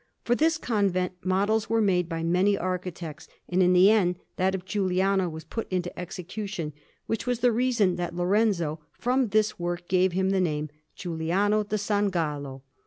For this convent models were made by many architects, and in the end that of Giuliano was put into execution, which was the reason that Lorenzo, from this work, gave him the name of Giuliano da San Gallo.